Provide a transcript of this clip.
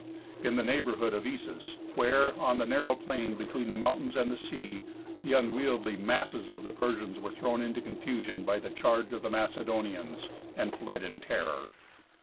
in the neighborhood of Issus, where, on the narrow plain between the mountains and the sea, the unwieldy masses of the Persians were thrown into confusion by the charge of the Macedonians, and fled in terror.